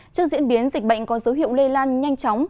trước diễn biến dịch bệnh có dấu hiệu lây lan nhanh chóng